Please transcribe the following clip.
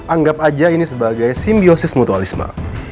anggap aja ini sebagai simbiosis mutualisme